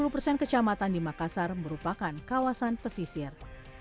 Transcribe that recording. tiga puluh persen kecamatan di makassar merupakan kawasan pesisir